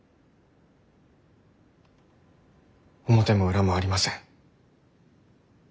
表も裏もありません。